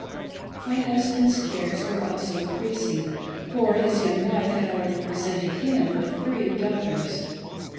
My husband's cares were also increasing, for his young wife had already presented him with three daughters.